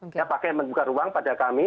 ya pakai membuka ruang pada kami